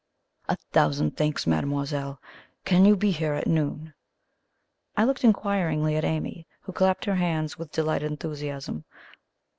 "A thousand thanks, mademoiselle! Can you be here at noon?" I looked inquiringly at Amy, who clapped her hands with delighted enthusiasm.